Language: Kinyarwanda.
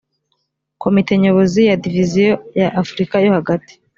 komite nyobozi ya diviziyo ya afurika yo hagati